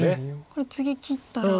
これ次切ったら。